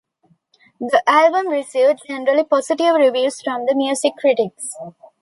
The album received generally positive reviews from music critics.